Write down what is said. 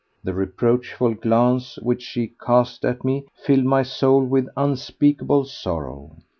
The reproachful glance which she cast at me filled my soul with unspeakable sorrow.